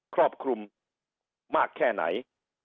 ครอบคลุมมากแค่ไหน